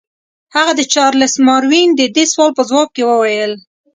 هغه د چارلس ماروین د دې سوال په ځواب کې وویل.